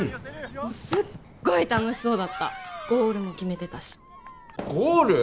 もうすっごい楽しそうだったゴールも決めてたしゴール！？